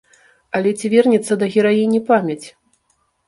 Але ці вернецца да гераіні памяць?